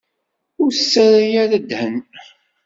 Ur s-ttarra ara ddhen.